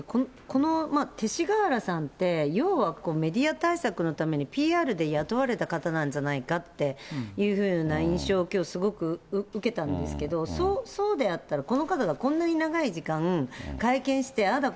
この勅使河原さんって、要はメディア対策のために、ＰＲで雇われた方なんじゃないかっていうふうな印象をきょうすごく受けたんですけど、そうであったら、この方がこんなに長い時間、会見して、ああだ